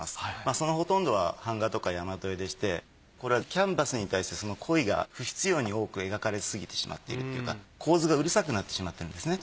そのほとんどは版画とか大和絵でしてこれはキャンバスに対してコイが不必要に多く描かれすぎてしまっているっていうか構図がうるさくなってしまってるんですね。